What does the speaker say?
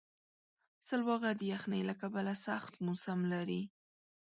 سلواغه د یخنۍ له کبله سخت موسم لري.